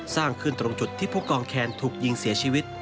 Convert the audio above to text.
สร้างขึ้นตรงจุดที่ผู้กองแคนถูกยิงเสียชีวิต